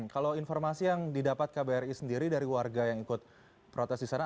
kalau informasi yang didapat kbri sendiri dari warga yang ikut protes di sana